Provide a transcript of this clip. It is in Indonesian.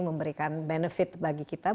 memberikan benefit bagi kita